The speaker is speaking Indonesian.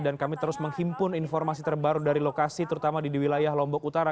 dan kami terus menghimpun informasi terbaru dari lokasi terutama di wilayah lombok utara